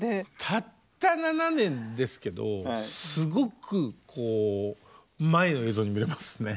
たった７年ですけどすごく前の映像に見えますね。